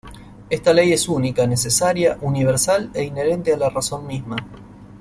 Esta ley es única, necesaria, universal e inherente a la razón misma.